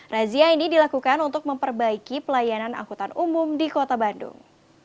razia ini dilakukan untuk memperbaiki pelayanan angkutan umum di kota bandung